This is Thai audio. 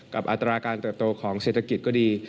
อัตราการเติบโตของเศรษฐกิจก็ดี